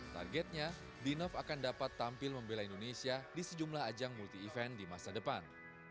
targetnya dinov akan dapat tampil membela indonesia di sejumlah ajang multi event di masa depan